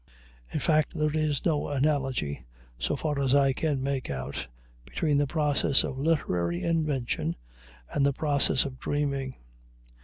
In fact, there is no analogy, so far as I can make out, between the process of literary invention and the process of dreaming.